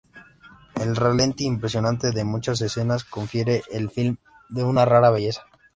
El ralentí impresionante de muchas escenas confiere al film una rara belleza.